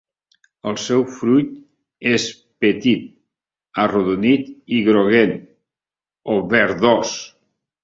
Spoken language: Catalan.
El seu fruit és petit, arrodonit i groguenc o verdós.